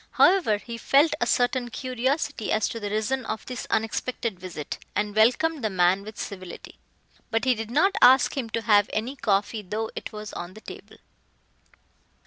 However, he felt a certain curiosity as to the reason of this unexpected visit and welcomed the man with civility. But he did not ask him to have any coffee though it was on the table.